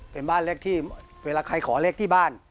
เป็นบ้านเลขที่เวลาใครขอเลขที่บ้าน